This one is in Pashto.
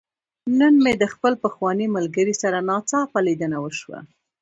نن مې د خپل پخواني ملګري سره ناڅاپه ليدنه وشوه.